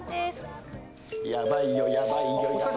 やばいよ、やばいよ。